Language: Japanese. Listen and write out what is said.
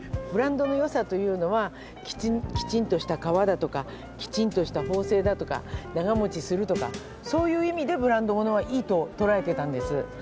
ブランドのよさというのはきちんとした革だとかきちんとした縫製だとか長もちするとかそういう意味でブランド物はいいと捉えてたんです。